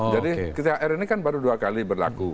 jadi thr ini kan baru dua kali berlaku